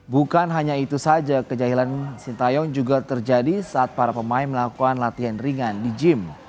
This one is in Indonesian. bukan hanya itu saja kejahilan sintayong juga terjadi saat para pemain melakukan latihan ringan di gym